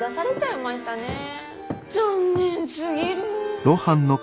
残念すぎる。